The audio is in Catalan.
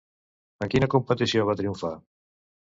En quina competició va triomfar?